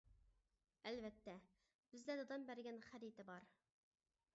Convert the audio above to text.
ئەلۋەتتە، بىزدە دادام بەرگەن خەرىتە بار.